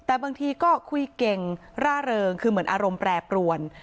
แต่บางทีก็คุยเก่งร่าเริงคือเหมือนอารมณ์แปรปรวน